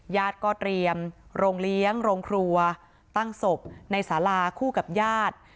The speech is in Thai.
ญาติก็เตรียมโรงเลี้ยงโรงครัวตั้งศพในสาราคู่กับญาติ